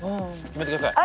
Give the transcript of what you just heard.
決めてください。